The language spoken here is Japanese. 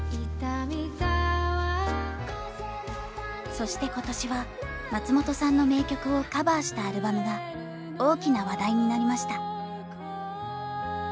そして今年は松本さんの名曲をカバーしたアルバムが大きな話題になりました。